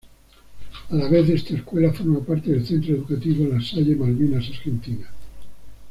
A la vez esta escuela forma parte del Centro Educativo La Salle Malvinas Argentinas.